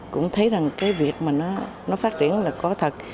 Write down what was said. cũng thấy rằng cái việc mà nó phát triển là có thật